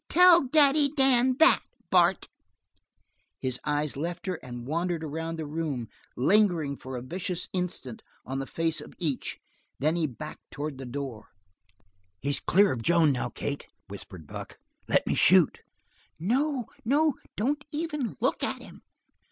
Tell Daddy Dan that, Bart." His eyes left her and wandered around the room, lingering for a vicious instant on the face of each, then he backed toward the door. "He's clear of Joan now, Kate," whispered Buck. "Let me shoot!" "No, no! Don't even look at him."